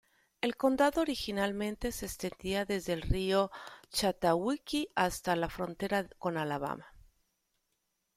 El condado originalmente se extendía desde el río Chattahoochee hasta la frontera con Alabama.